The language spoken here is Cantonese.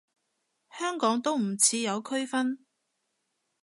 香港都唔似有區分